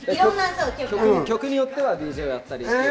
曲によってはＤＪやったり。